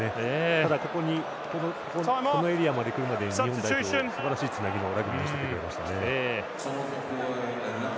ただ、このエリアに来るまでに日本代表すばらしいつなぎのラグビーしてくれましたね。